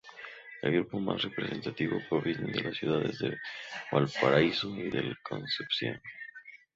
El grupo más representativo proviene de las ciudades de Valparaíso y de Concepción.